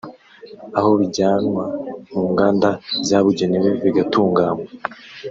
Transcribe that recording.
aho bijyanwa mu nganda zabugenewe bigatunganywa